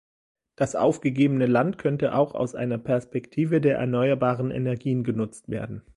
Das aufgegebene Land könnte auch aus einer Perspektive der erneuerbaren Energien genutzt werden.